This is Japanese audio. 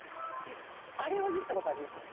あれは言った事ありますよ。